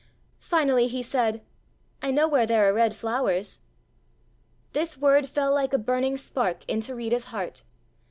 Finally he said: "I know where there are red flowers." This word fell like a burning spark into Rita's heart.